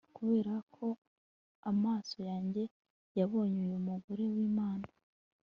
kuberako amaso yanjye yabonye uyu mugore wimana